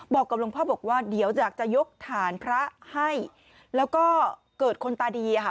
กับหลวงพ่อบอกว่าเดี๋ยวอยากจะยกฐานพระให้แล้วก็เกิดคนตาดีอะค่ะ